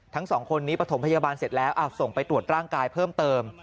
ทั้งสองคนนี้ปฐมพยาบาลเสร็จแล้วส่งไปตรวจร่างกายเพิ่มเติม